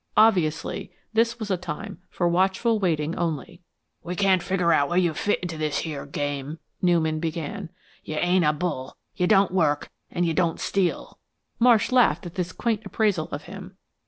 Obviously, this was a time for watchful waiting only. "We can't figure where you fit into this here game," Newman began. "You ain't a bull; you don't work; and you don't steal." Marsh laughed at this quaint appraisal of him.